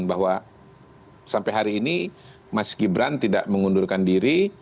bahwa sampai hari ini mas gibran tidak mengundurkan diri